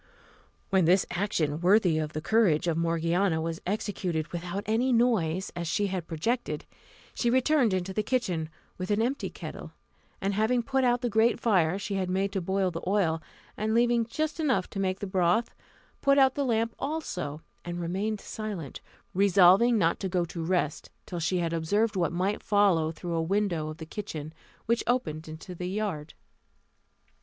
When this action, worthy of the courage of Morgiana, was executed without any noise, as she had projected, she returned into the kitchen with the empty kettle; and having put out the great fire she had made to boil the oil, and leaving just enough to make the broth, put out the lamp also, and remained silent, resolving not to go to rest till she had observed what might follow through a window of the kitchen, which opened into the yard.